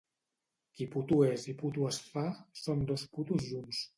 Qui puto és i puto es fa, són dos putos junts.